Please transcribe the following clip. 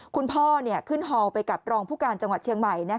คุณพ่อขึ้นฮอลไปกับรองผู้การจังหวัดเชียงใหม่